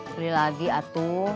beli lagi atu